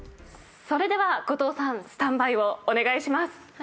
それでは後藤さんスタンバイをお願いします。